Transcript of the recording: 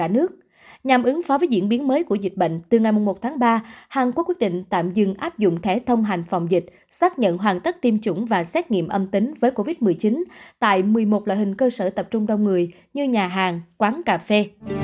nhằm ứng phó với diễn biến mới của dịch bệnh từ ngày một tháng ba hàn quốc quyết định tạm dừng áp dụng thẻ thông hành phòng dịch xác nhận hoàn tất tiêm chủng và xét nghiệm âm tính với covid một mươi chín tại một mươi một loại hình cơ sở tập trung đông người như nhà hàng quán cà phê